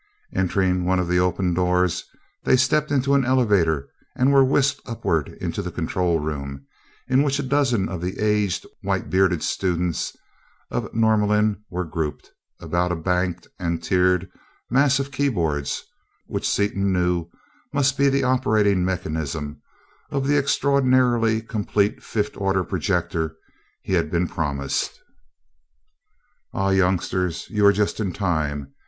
Entering one of the open doors, they stepped into an elevator and were whisked upward into the control room, in which a dozen of the aged, white bearded students of Norlamin were grouped about a banked and tiered mass of keyboards, which Seaton knew must be the operating mechanism of the extraordinarily complete fifth order projector he had been promised. "Ah, youngsters, you are just in time.